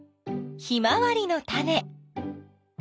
ヒマワリのタネ。